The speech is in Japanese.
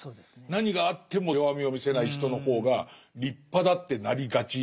何があっても弱みを見せない人の方が立派だってなりがちじゃないですか。